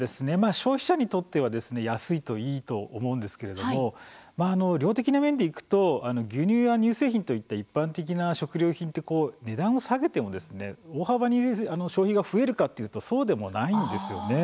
消費者にとっては安いといいと思うんですけれども量的な面でいくと牛乳や乳製品といった一般的な食料品って値段を下げても大幅に消費が増えるかっていうとそうでもないんですよね。